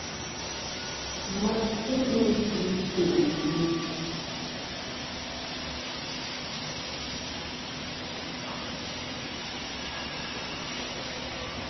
Ma ti meyn tim sœ̀ fɨnyuyn.